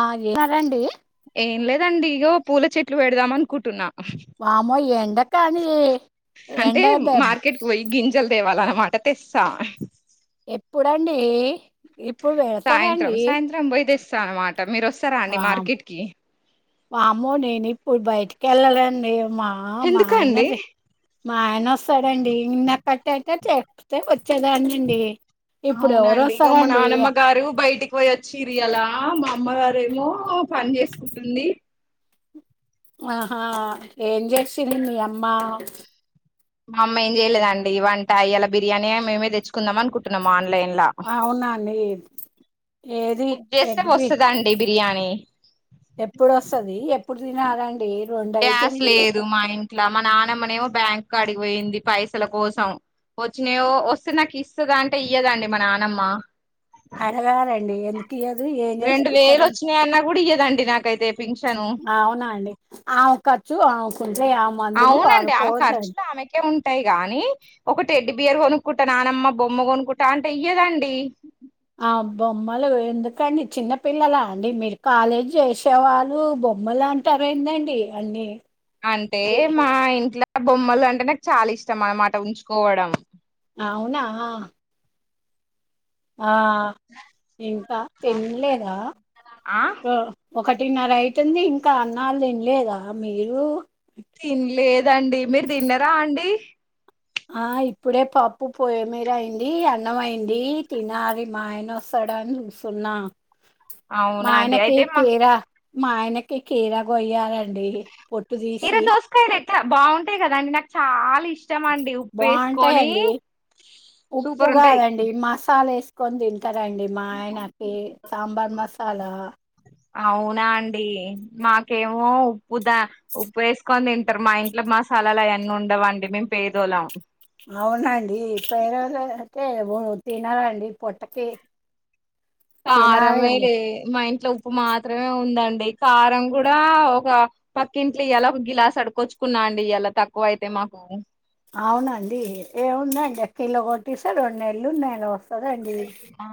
అగే అదండి ఏం లేదండి ఇగో పూల చెట్లు పెడదాం అనుకుంటున్నా వామో ఎండ కానీ అంటే ఎండదబ్ మాట తెసా ఎప్పుడండి ఇప్పుడు పెడతారండి. సాయం సామాత్ త్తం మీరు వస్తారా అండి మార్కిటికి వామో నేనిం ఇప్పుడు బయటికి వెళ్ళాలండి మా మా ఆయన ఎందుకండి మా ఆయన వస్తారండి ఇంద కట్ట అయితే చెప్ చేపల్ అవునండి ఇగ మా ఎవరొస్తారండి? నానమ్మ గారు బయటికి పోయి వచ్చరీ ఇయలా మా అమ్మగారేమో పని చేసుకుంటుంది ఆహా ఏం చేస్తుంది మీ అమ్మ మా అమ్మ ఏం చెయలేదండి వంటఇలా బిర్యానీ మేమే తెచ్చుకుందాం అనుకుంటున్నాం మార్ అవునండి ఏది బుక్ చేస్తే ఎగ్బిట్ వస్తదండి బిర్యానీ ఎప్పుడోస్తది ఎప్పుడు తినాలం పేర్ గ్యాస్ లేదు మా ఇంట్ ఇట్లా మా నానమ్మనేమో బ్యాంక్ కాడికిపోఇంది పైసల కోసం వచ్చినయో వస్తే నాకు ఇస్తది అంటే ఇయ్యదండి మా నానమ్మ అడగాలండి ఎందుకు కియదు ఏం రెండు వేలు చేసుకుంటదడి వచ్చినాయన్నా కూడా ఇయ్యదండి నాకైతే పింఛను అవునా అండి ఆమె ఖర్చు ఆవుకుంటే ఆ మందులు అవునండి ఆమె ఆడుపోవద్దండి ఖర్చులు ఆమెకే ఉంటాయి గానీ ఒక టెడ్డి బియర్ ఆబ్బ బొమ్మలు వేర్ ఎందుకండి చిన్న పిల్లలా అండి మీరు కాలేజీ చేసేవాళ్ళు బొమ్మలు అంటారు ఏంటండి అండి అంటే మా ఇంట్లో బొమ్మలు అంటే నాకు చాలా ఇష్టం అనమాట ఉంచుకొ అవునా ఆ ఇంకా తినలేదా ఆ ఓ ఒకటిన్నర అయితుంది ఇంకా అన్నళ్లు తినలేదా మీరు తిన్లేదండి మీరు తిన్నరా అండి ఆ ఇప్పుడే పప్పు పొయ్యి మీద అయింది అన్నం అయింది తినాలి మా ఆయన వస్తాడని చూస్తున్నా మా అవునా అండి ఆయనకి అయితే మా కిరా మా ఆయనకి కిరా కోయలే డి పొట్టు తీసి స్టం బాగుంటాయి కదా అండి నాకు చాలా ఇ బాగుంటాయండి ఉప్పు సూపర్ ఉంటాయి కాదండి మసాలా వేస్ కొందుల్ టారండి మా ఆయనకి సాంబార్ మసాలా అవునండి మాకేమో ఉప్పు దా ఉప్పు వేసుకొని తింటారు మా ఇంట్లో మాసాలలు అయన్నీ ఉండవండి మేము పేదోలం అవునండి పది రోజులకే తినాలండి పొట్టకి కారం మే తినాలండి లే మా ఇంట్లో ఉప్పు ఉప్పు మాత్రమే ఉందండి కారం కూడా ఒక పక్కింట్లో ఇయలా ఒక గ్లాస్ అడుకొచ్చుకున్నా అండి ఇయలా తక్కువ అయితే మాకు అవునండి ఏముందండి ఒక కిలో కొట్టిస్తే రెండు నెలు అలా ఆ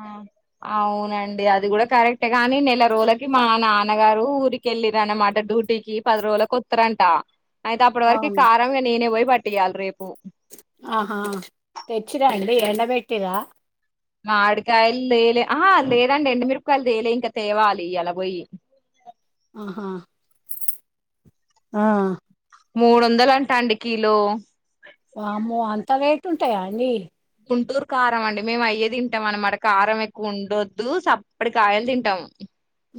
అవునండి అది కూడా కరెక్టే ఏ గాని నెల రోజులకి మా నాన్నగారు ఊరికి వెళ్ళిరు అన్నమాట డ్యూటీకి పది రోజులకి వస్తారంట అయితే అప్పటి వరకు అవును కారంగా నేనే పోయి పట్టియాలి రేపు ఆహా తెచ్చిరా అండి ఎండబెట్టి రా మావిడికాయలు లేలే ఆహా లేదండి ఎండి మిరపకాయలు తేలే ఇంకా తేవాలి అలా పోయి ఆహా ఆ మూడు వందలు అంటా అండి కీలో వామ్మో అంత రేటు ఉంటాయా అండి గుంటూరు కారం అండి మేము అయే తింటాం అన్నమాట కారం ఎక్కువ ఉండొద్దు సప్పటి కాయలు తింటాము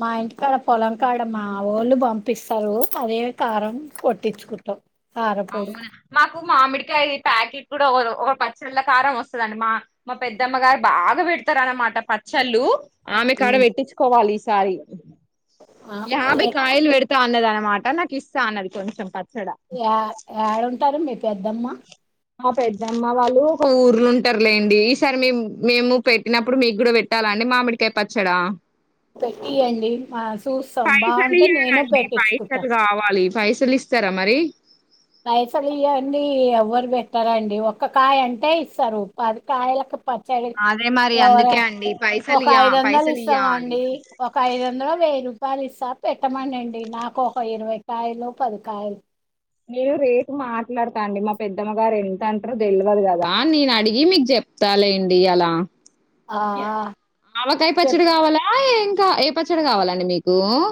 మా ఇంటికాడ పొలం కాడ మా వాళ్ళు పంపిస్తారు అదే కారం కొట్టించుకుంటాం కారపొడి మాకు మామిడి మామిడి కాయ ఇది ప్యాకెట్ కూడా ఒక పచ్చళ్ళ కారం వస్తుందండి మా మా పెద్దమ్మ గారు బాగా పెడతారు అన్నమాట పచ్చళ్ళు ఆమె కాడ పెట్టించుకోవాలి సారి ఆ యా బై ఏ కాయల్ వెడత ఇట్టగా అన్నది అన్నమాట నాకు ఇస్తా అన్నది కొంచెం పచ్చడా ఎ ఏడా ఉంటారు మీ పెద్దమ్మ మా పెద్దమ్మ వాళ్ళు ఒక ఊర్లో ఉంటారులేండి ఈసారి మే మేము పెట్టినప్పుడు మీకు కూడా పెట్టాల అండి మామిడికాయ పచ్చడా పెట్టియండి మా చూస్తాం పైసలు బాగుంటే నేను ఇయ్యాలండి పెట్టించుకుంటా పైసలు కావాలి పైసలు ఇస్తారా మరి పైసలు ఇవ్వండి ఎవ్వరు పెట్టారండి ఒక కాయ అంటే ఇస్తారు పది కాయలకు ప చెరీ అదే మరి ఎవరో అందుకే అండి పైసలు ఒక ఇయ్య ఐదు వందలు పైసలు ఇస్తాము ఇయ్యాలి అండి ఒక ఐదు వందలు వెయ్యి రూప వాళ్ళు ఇస్తా పెట్టమనండి నాకు ఒక ఇరవై కాయలు పది కాయలు మీరు రేపు మాట్లాడతా అండి మా పెద్దమ్మ గారు ఎంత అంటారో తెలియదు కదా నేను అడిగి మీకు చెప్తాాలండి అలా ఆ ఆవాకాయ చె పచ్చడి కావాల ఆ ఇంకా ఏ పచ్చడి కావాలండి మీ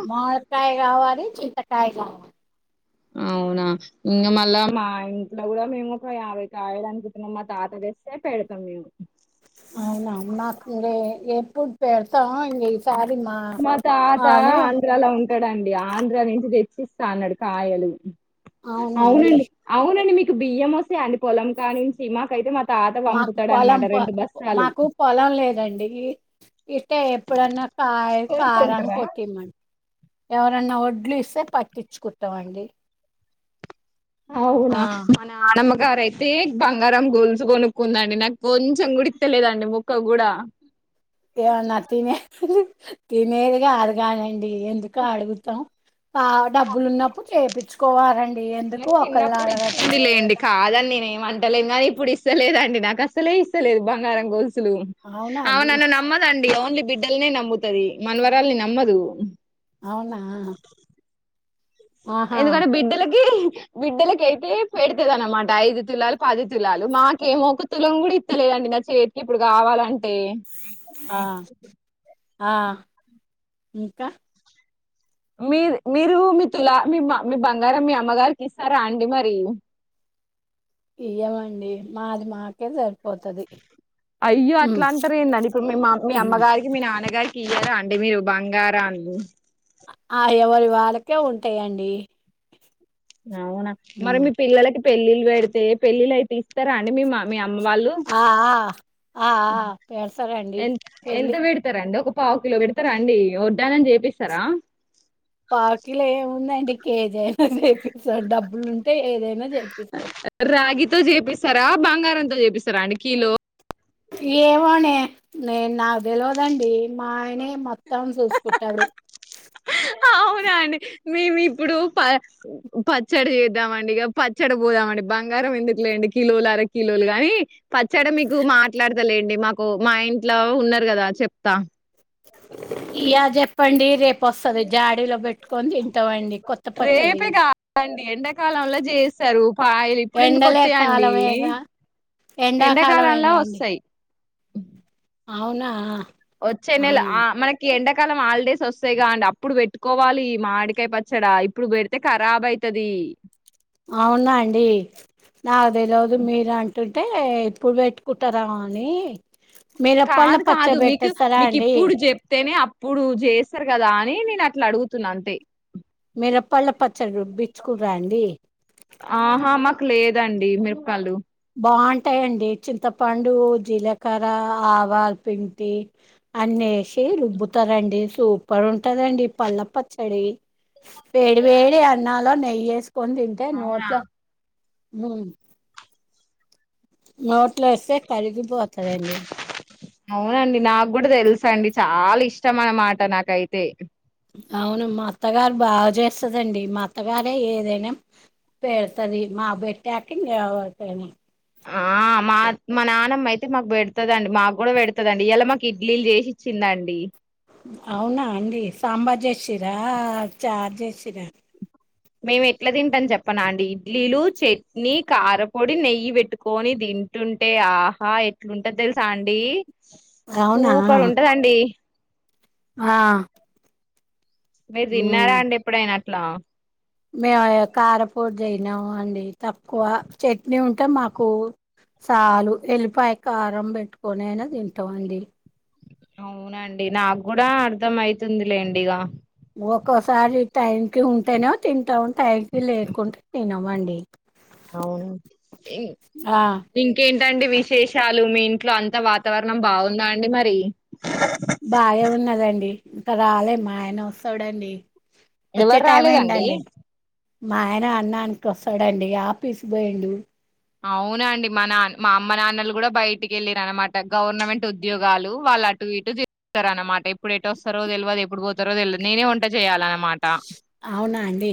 మావిడికాయ్ కావాలి చింతకా కాయ కావా అవునా ఇంకా మళ్ళా మా ఇంట్లో కూడా మేము ఒక యాభై కాయలు అనుకుంటున్నము మా తాత తెస్తే పెడతం మేము అవునా మాకు ఇంక ఎప్పుడు పెడతామో ఇంగ మా తాత అంద్రు అలా ఉంటు ఎక్కడండి ఆంధ్ర నుంచి తెప్పిస్తాన్నాడు కాయలు అవునండి అవునండి మీ బియ్యం వస్తాయి అండి పొలం కా నుంచి మాక అయితే మా తాత మాకు పంపుతాడు అనమాట పొలం ప రెండు బస్తాలు మాకు పొలం లేదండీ ఇట్టే ఎప్పుడున్న కాయ్ కారం కొనుక్కుంటారా కొట్టి మ ఎవరన్నా వడ్లు ఇస్తే పట్టించుకుంటామండి ఆ అవునా మన ఆనమ్మకీ బంగార అయితే బంగారం గొల్సు కొనుక్కుందండి నాకు కొంచెం గూడ ఇత్తలేదండి ముక్క కూడా ఏమన్నా తినే తినే ది కాదు కానండి ఎందుకు అడుగుతాం ఆ డబ్బులు ఉన్నప్పుడు ఏపిచ్చు కోవాలండి నాకు చిన్నప్పుడు ఇచ్చింది లేండి కాదని నేను ఏమంటలేం గాని ఇప్పుడు ఇస్ ఇస్తాలే దండి నాకు అసలే ఇస్తలేదు బంగారం గొల్సు అవునా ఆమె అండి నన్ను నమ్మదండి ఓన్లీ బిడ్డలనే నమ్ముతది మనవరాల్ని నమ్మదు అవునా ఆహా ఎందుకంటే బిడ్డలకి బిడ్డలకయితే పెడతదన్నమాట ఐదు తులాలు పది తులాలు మాకేమో ఒక తులం కూడా ఇస్తలేదండి నా చేతికి ఇప్పుడు కావాలం ఆ ఆ ఇంకా మీ మీరు మీ తుల మీ మీ బంగారం మీ అమ్మగారికి ఇస్తారా అండి మరి ఇయ్యమండి మాది మాకే జరుపు అయ్యో అట్లా అంటారు ఏందండి ఇప్పుడు మీ మ ఉమ్. అమ్మగారికి మీ నాన్నగారికి ఇయ్యరా అండి మీరు బంగారాన్ని ఆ ఎవరివి వాళ్ళకే ఉంటయండి అవునా మరి మీ పిల్లలకి పెళ్ళిళ్ళ పెడితే పెళ్ళిళ అయితే ఇస్తారాండి మీ మ ఆ మ్ము ఆ ఆ ఆ ఆపెడతారండి ఎ పెళ్ళి ఎంత పెడతారండి ఒక పావు కిలో పెడతారా అండి వడ్డాణం చేపిస్తారా పావుకిలో ఏముందండి కేజీ అయినా చేపిస్తాం డబ్బులు ఉంటే ఏదైనా చే రాగి తో చేపిస్తారా బంగారంతో చేపిస్తారా అండి కిలో ఏమోనే నే నాకు తెలవదండి మా ఆయనే మొత్తం చూసుకుంటాడు అవునా అండి మేము ఇప్పుడు ప పచ్చడి చేద్దామండి ఇక పచ్చడి పోదామండి బంగారం ఎందుకు లేండి కిలోలు అర కిలోలు గాని పచ్చాడా మీకు మాట్లాడ తెలి అండి మాకు మా ఇంట్లో ఉన్నారు కదా చెప్తా ఇయాల చెప్పండి రేపొస్తది జాడీలో పెట్టుకొని తింటామండి కొత్త పచ్చడి రేపే కాదండి ఎండాకాలంలో చేస్తారు పాయలు ఇప్పుడు ఎందుకు ఎండలే వస్తాయండి కాలమేగా ఎండాకాలంలో ఎండాకాలమేనేండి వస్తాయి అవునా వచ్చే నెల ఆ మనకి ఎండ ఎకాలం హాలిడేస్ వస్తాయిగా అండి అప్పుడు పెట్టుకోవాలి మాడికాయ పచ్చడా ఇప్పుడు పెడితే ఖరాబ్ అయితది అవునా అండి నాకు తెలిదు మీరు అంటు అంటే ఇప్పుడు పెట్టుకుంటారా అని మిరపళ్ళ కాదు కాదు పచ్చడి మీకు పెట్టేస్తారా మీకు అండి ఇప్పుడు చెప్తేనే అప్పుడు చేస్తారు కదా అని నేను అ అట్లా అడుగుతున్నా అంతే [unintelligible] రుబ్బిచ్చుకుర్రా అండి ఆహా మాకులే ఇదండి మిరపలు బాగుంటాయండి చింతపండు జీలకర్ర ఆవాలు పింటి అన్ని వేసి రుబ్బుతారండి, సూపర్ ఉంటుందండి పళ్ల్ళ పచ్చడి వేడి వేడి అన్నాలో నే ఇయస్ పొందింటే అవునా నోట్ల మ్ నోట్లస్తే కడిగి అవునండి నాకు కూడా తెలుస అండి చాలా ఇష్టం అన్నమాట నాకైతే అవును మా అత్తగారు బాగా చేస్తదండి మ అత్తగారే ఏదైనా పెడుతుది మా బట్టాకి [unintelligible] ఆ మా మా నానమ్మ అయితే మాకు పెడతదండి మాకు కూడా పెడతుందిండి ఇలా మాకు ఇడ్లీలు చేసిచ్చిందండి అవునా అండి సాంబార్ చేసీరా ఆ చార్జ్ చేసిరా మేము ఎట్లా తిం ని చెప్పన అండి ఇడ్లీలు చట్నీ కారపొడి నెయ్యి పెట్టుకొని తింటుంటే ఆహా ఎట్లుంటది తెలుసా అండి అవునా సూపర్ ఉంటదండి ఆ మీరు తిన్నరా ఉమ్ అండి ఎప్పుడైనా లా మేము కారపోడి తినాము అండి తక్కువ చట్నీ ఉంటే మాకు సాలు ఉల్లిపాయ కారం పెట్టుకొనినా తింటాం అండి అవునండి నాకు కూడా అర్ధం అయితుంది లెండి ఇగ ఒక్కోసారి టైంకి ఉంటేనేో తింటాము టైంకి లేకుంటే తినమండి అవును ఆ ఇంకేంటి ఎంతండి విశేషాలు మీ ఇంట్లో అంత వాతావరణం బాగుందా అండి మరి బాగా ఉన్నదండి ఇంకా రాలేమ్ మా ఆయన వస్తాడండి వచ్చే ఎవరు టైం రాలేదండి అయిందండి మా ఆయన అన్నానికిొస్తాడుండి ఆఫీస్ పోయిడు అవున అండి మా నాన్న మా అమ్మ నాన్నలు కూడా బయటికి వెళ్ళారు అనమాట గవర్నమెంట్ ఉద్యోగాలు వాళ్ళు అటు ఇటు తస్తార అనమాట ఎప్పుడు ఎటు వస్తారో తెలియదు ఎప్పుడు పోతారో తెలియదు నేనే ఉంటాంది అవునా అండి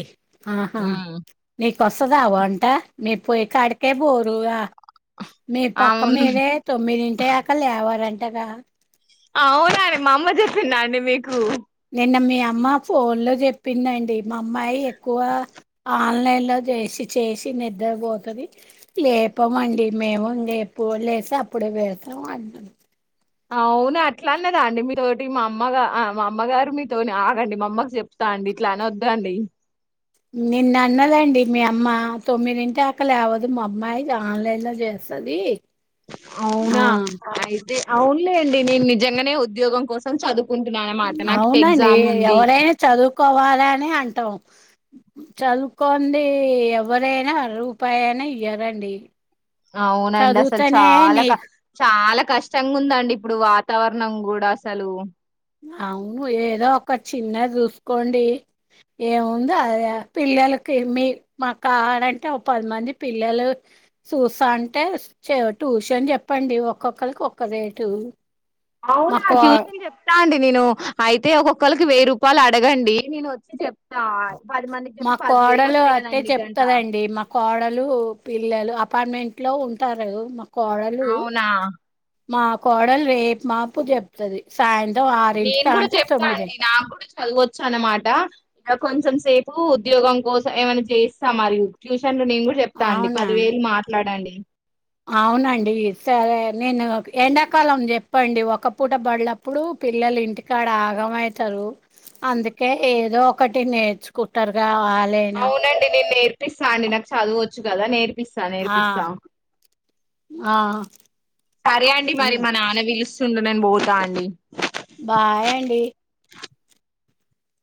ఆహా ఉమ్ నీకోస్తదా వంట మీ పోయి కడకే బోరువా మీ పక్క అవును మీరే తొమ్మిదింట క లేవరంటే గా అవునాండి మా అమ్మ చెప్పినాండి మీకు నిన్న మీ అమ్మ ఫోన్లో చెప్పిందండి మా అమ్మాయి ఎక్కువ ఆన్లైన్లో చేసి చేసి నిద్రపోతుంది లేపంండి మేము లేప్పు లేస్తే అప్పుడుే వేస్తాం అన్నా అవును అట్లా అన్నదా అండి మీతోోటి మా అమ్మ మా అమ్మగారు మీతో ఆగండి మా అమ్మకి చెప్తా అండి ఇట్లానే వద్దండి నిన్న అన్నదండి మీ అమ్మ తొమ్మిదింటి అక్క లేవదు మా అమ్మాయి ఆన్లైన్ లో చేస్తుది అవునా ఆ అవునులే అండి నేను నిజంగానే ఉద్యోగం కోసం చదువు కుంటున్నా అనమాట నాకు ఎగ్జామ్ ఉంది దుకోవాలా అని అంటాం చదువుకోంది ఎవరైనా అర రూపాయి అయినా ఇ్యరడి అవునండి అసలు చాలా క చాలా కష్టంగా ఉందండి ఇప్పుడు వాతావరణం కూడా అసలు అవును ఏదో ఒక చిన్నది చూసుకోండి ఏముంది అద పిల్లలకి మీ మాకు కావాలంటే పదిమంది పిల్లలు చూస్తా అంటే ట్యూషన్ చెప్పండి ఒక్కొక్కరికి ఒక్క రేటు మా అవునా కో ట్యూషన్ చెప్తాండి నేను అయితే ఒక్కొక్కళ్రికి వెయ్యి రూపాయలు అడగండి నేను వచ్చి చె మా కోడలు అట్టే కదండి గంట చెప్తదండి మా కోడలు పిల్లలు అపార్ట్మెంట్ లో ఉంటారు కోడలు అవునా మా కోడలు రేపు మాపు చెప్తుది నేను గూడా జేప్ప అండి నాగూడా చదువచ్చన్నమాట అప్. కొంచెం సేపు ఉద్యోగం కోసం ఏమైనా జేస్తా మరియూ ట్యూ.. [inaudible] నేను గూడా జెప్తా అండి, అవునా పదివేలు మాట్లాడండి. అవునండి. సరే నేను ఎండాకాలం జెప్పండి ఒక పూట బడ్లప్పుడు పిల్లలు ఇంటికాడ ఆగమైతారు. అందుకే, ఏదో ఒకటి నేర్చుకుటారుగా. అవునండి నేన్ నేర్పిస్తా అండి నాకు చదువొ.. చ్చు గదా నేర్.. పిస్తా ఆ నేర్పిస్తా. ఆ సరే అండి మరి మా నాన్న విలుస్.. చుండు నేన్ బోతా అండి. బాయ్ అండి.